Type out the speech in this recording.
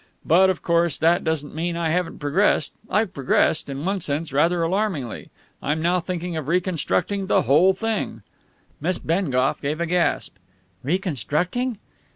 But, of course, that doesn't mean I haven't progressed. I've progressed, in one sense, rather alarmingly. I'm now thinking of reconstructing the whole thing." Miss Bengough gave a gasp. "Reconstructing!"